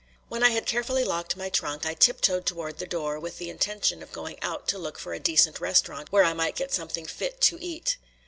When I had carefully locked my trunk, I tiptoed toward the door with the intention of going out to look for a decent restaurant where I might get something fit to eat.